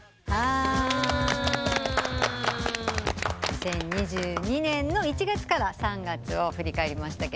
２０２２年の１月から３月を振り返りました。